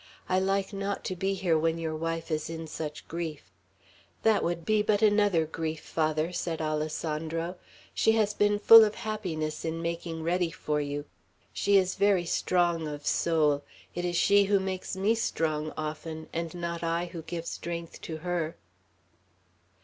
I like not to be here when your wife is in such grief." "That would but be another grief, Father," said Alessandro. "She has been full of happiness in making ready for you. She is very strong of soul. It is she who makes me strong often, and not I who give strength to her."